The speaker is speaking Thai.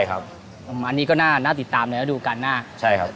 อันนี้ก็น่าติดตามในระดูกกันนะใช่ครับ